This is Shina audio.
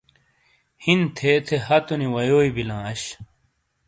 ہِن تھے تھے ہَتونی وَیوئی بِیلاں اش۔